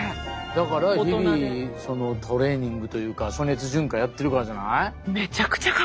だから日々トレーニングというか暑熱順化やってるからじゃない？